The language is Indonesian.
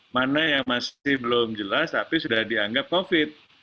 mana yang masih belum jelas tapi sudah dianggap covid